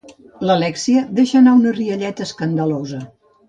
L'Alèxia deixa anar una rialleta escandalosa.